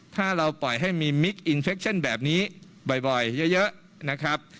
ถ้าเราปล่อยให้มีมิคอินเฟคชั่นแบบนี้บ่อยเยอะนะครับ